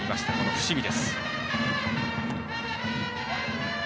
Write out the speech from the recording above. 伏見。